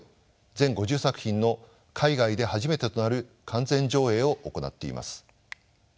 全５０作品の海外で初めてとなる完全上映を行っています。